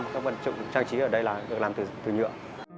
các vật dụng trang trí ở đây là được làm từ nhựa